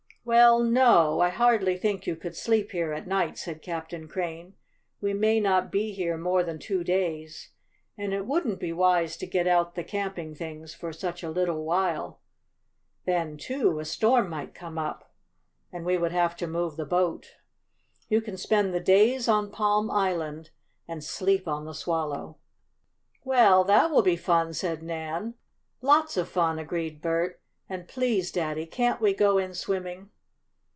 "Well, no, I hardly think you could sleep here at night," said Captain Crane. "We may not be here more than two days, and it wouldn't be wise to get out the camping things for such a little while. Then, too, a storm might come up, and we would have to move the boat. You can spend the days on Palm Island and sleep on the Swallow." "Well, that will be fun!" said Nan. "Lots of fun," agreed Bert. "And please, Daddy, can't we go in swimming?"